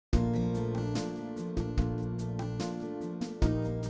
rau củ cường giúp giúp cho rau củ đập